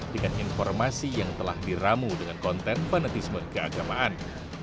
dengan informasi yang telah diramu dengan konten fanatisme keagamaan